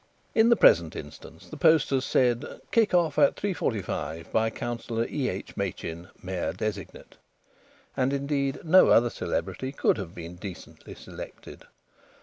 In the present instance the posters said: "Kick off at 3.45 by Councillor E.H. Machin, Mayor designate." And, indeed, no other celebrity could have been decently selected.